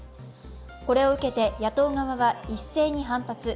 これを受けて野党側は一斉に反発。